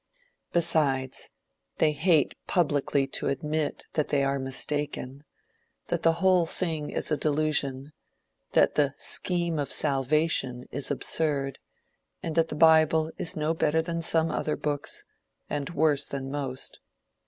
Besides, they hate publicly to admit that they are mistaken, that the whole thing is a delusion, that the "scheme of salvation" is absurd, and that the bible is no better than some other books, and worse than most.